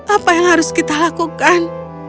apa yang harus kita lakukan